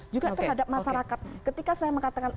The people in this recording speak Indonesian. juga terhadap masyarakat ketika saya mengatakan